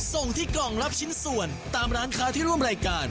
ส่งที่กล่องรับชิ้นส่วนตามร้านค้าที่ร่วมรายการ